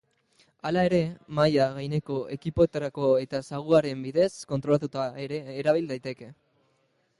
Hala ere, mahai gaineko ekipoetarako eta saguaren bidez kontrolatuta ere erabil daiteke.